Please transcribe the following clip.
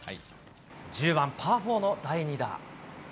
１０番パー４の第２打。